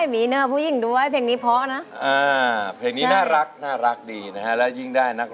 ไม่เคยเล่นทีมาจักว่าฉันแก้จ้างได้